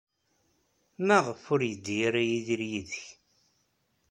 Maɣef ur yeddi ara Yidir yid-k?